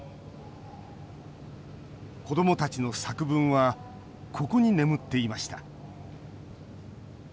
子どもたちの作文はここに眠っていました。